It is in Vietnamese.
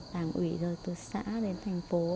làm ủy rồi từ xã đến thành phố